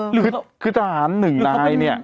หรือคือทหารหนึ่งนายเนี่ย